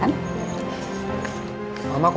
mamaku masih inget makanan favorit aku